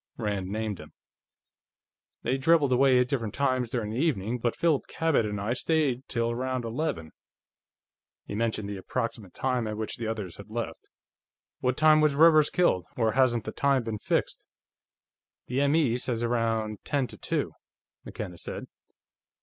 Rand named them. "They dribbled away at different times during the evening, but Philip Cabot and I stayed till around eleven." He mentioned the approximate time at which the others had left. "What time was Rivers killed, or hasn't the time been fixed?" "The M.E. says around ten to two," McKenna said.